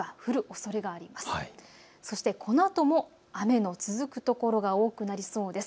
そして、このあとも雨の続く所が多くなりそうです。